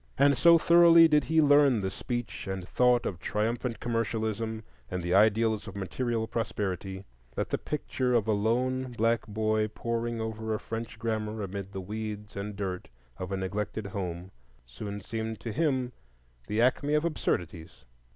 And so thoroughly did he learn the speech and thought of triumphant commercialism, and the ideals of material prosperity, that the picture of a lone black boy poring over a French grammar amid the weeds and dirt of a neglected home soon seemed to him the acme of absurdities.